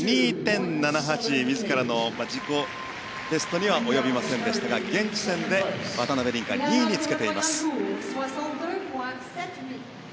自己ベストには及びませんでしたが現時点で渡辺倫果は２位につけています。